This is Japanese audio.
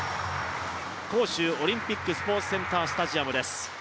杭州オリンピックスポーツセンタースタジアムです。